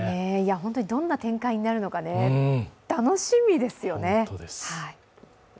本当にどんな展開になるのか楽しみですよね。